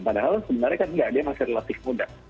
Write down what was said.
padahal sebenarnya kan nggak dia masih relatif muda